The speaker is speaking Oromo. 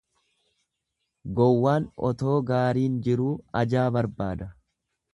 Gowwaan otoo gaariin jiruu ajaa barbaada.